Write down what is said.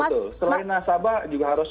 selain nasabah juga harus